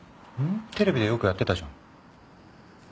テレビでよくやってたじゃん。